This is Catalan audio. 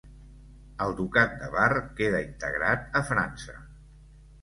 El ducat de Bar queda integrat a França.